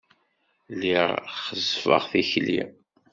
Lliɣ ɣeṣṣbeɣ tikli.